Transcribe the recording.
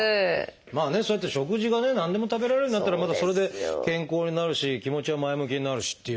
まあねそうやって食事がね何でも食べられるようになったらまたそれで健康になるし気持ちが前向きになるしっていうね。